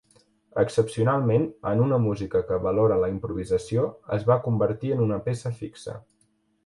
Excepcionalment en una música que valora la improvisació, es va convertir en una peça fixa.